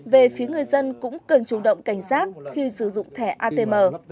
về phía người dân cũng cần chủ động cảnh giác khi sử dụng thẻ atm